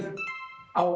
青。